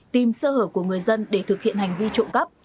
tìm sơ hở của người dân để thực hiện hành vi trộm cắp